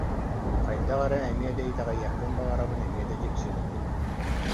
Хайдах эрэ эмиэ да итэҕэйиэхпин баҕарабын, эмиэ да дьиксинэбин